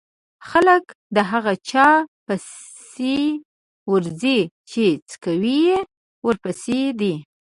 خلک د هغه چا پسې ورځي چې څکوی يې ورپسې دی.